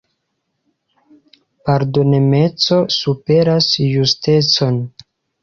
Pardonemeco superas justecon.